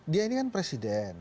dia ini kan presiden